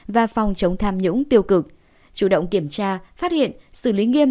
và phòng chống tham nhũng tiêu cực chủ động kiểm tra phát hiện xử lý nghiêm